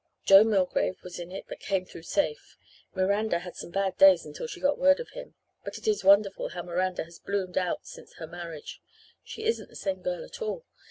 Joe Milgrave was in it but came through safe. Miranda had some bad days until she got word from him. But it is wonderful how Miranda has bloomed out since her marriage. She isn't the same girl at all.